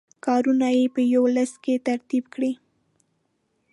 کارونه یې په یوه لست کې ترتیب کړئ.